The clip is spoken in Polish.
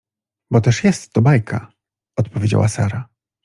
— Bo też jest to bajka — odpowiedziała Sara.